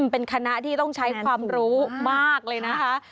เป็นคณะที่ต้องใช้ความรู้มากเลยนะคะ